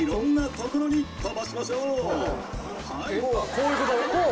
こういうこと？